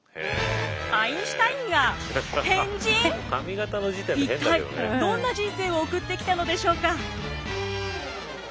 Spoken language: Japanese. アインシュタインが一体どんな人生を送ってきたのでしょうか？